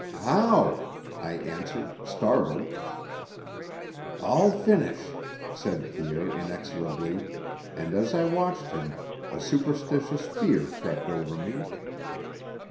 "How?" I answered, startled. "All finish," said Pierre inexorably, and, as I watched him, a superstitious fear crept over me.